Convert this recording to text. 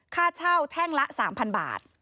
ค่าเช่าแท่งละ๓๐๐บาท